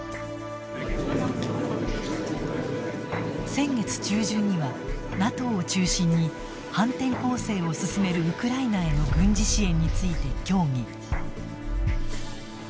先月中旬には、ＮＡＴＯを中心に反転攻勢を進めるウクライナへの軍事支援について協議。